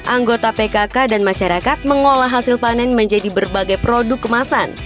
anggota pkk dan masyarakat mengolah hasil panen menjadi berbagai produk kemasan